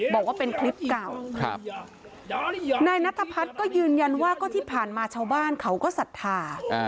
บอกว่าเป็นคลิปเก่านายนัทพัฒน์ก็ยืนยันว่าก็ที่ผ่านมาชาวบ้านเขาก็ศรัทธา